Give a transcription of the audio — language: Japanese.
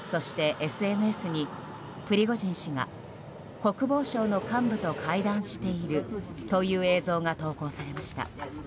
そして、ＳＮＳにプリゴジン氏が国防省の幹部と会談しているという映像が投稿されました。